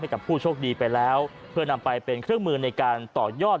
กับผู้โชคดีไปแล้วเพื่อนำไปเป็นเครื่องมือในการต่อยอด